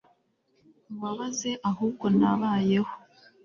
nkubabaze ahubwo nabayeho